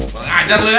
pengajar lo ya